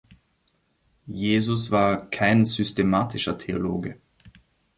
Jesus war kein „systematischer Theologe“.